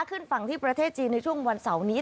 ขึ้นฝั่งที่ประเทศจีนในช่วงวันเสาร์นี้